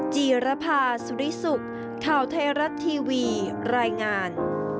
จีรภาสุริสุขข่าวไทยรัฐทีวีรายงาน